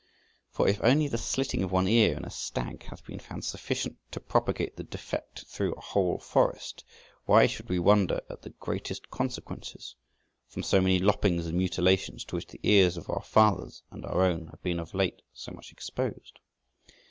For if only the slitting of one ear in a stag hath been found sufficient to propagate the defect through a whole forest, why should we wonder at the greatest consequences, from so many loppings and mutilations to which the ears of our fathers and our own have been of late so much exposed?